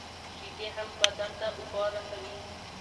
شیدې هم بدن ته اوبه رسوي.